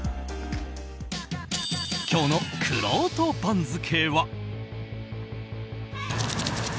今日のくろうと番付は。